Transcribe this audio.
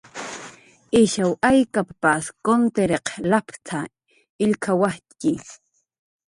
"Ishaw aykap""ps kuntirq latp""t""a illk""awajttxi."